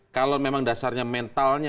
kalau memang dasarnya mentalnya